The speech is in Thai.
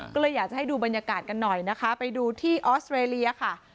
ก็เลยอยากจะให้ดูบรรยากาศกันหน่อยนะคะไปดูที่ออสเตรเลียค่ะ